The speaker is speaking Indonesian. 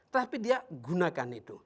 tapi dia gunakan itu